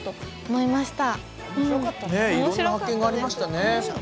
いろんな発見がありましたね。